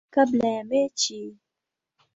kabla ya mechi.